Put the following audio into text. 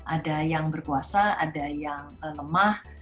ada yang berkuasa ada yang lemah